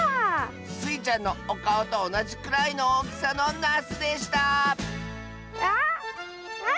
スイちゃんのおかおとおなじくらいのおおきさのなすでしたあまってましたトマト！